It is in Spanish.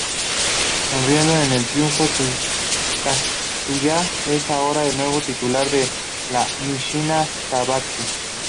Sonriendo en el triunfo, Kazuya es ahora el nuevo titular de la Mishima Zaibatsu.